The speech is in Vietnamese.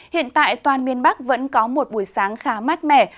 hiện tại toàn miền bắc vẫn có một buổi sáng khá mát mẻ